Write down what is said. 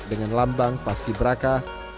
dengan lambang pas kiberakan